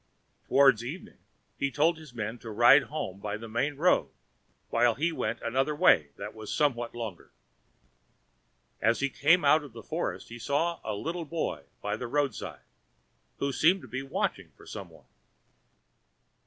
Towards evening he told his men to ride home by the main road while he went by another way that was somewhat longer. As he came out of the forest he saw a little boy by the roadside, who seemed to be watching for some one.